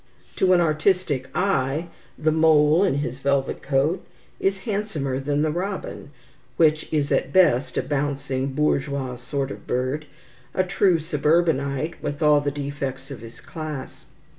To an artistic eye, the mole in his velvet coat is handsomer than the robin, which is at best a bouncing, bourgeois sort of bird, a true suburbanite, with all the defects of his class.